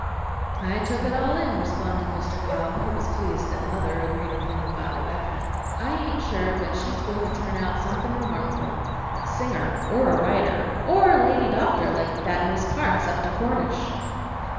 "I took it all in," responded Mr. Cobb, who was pleased that "mother" agreed with him about Rebecca. "I ain't sure but she's goin' to turn out somethin' remarkable, a singer, or a writer, or a lady doctor like that Miss Parks up to Cornish."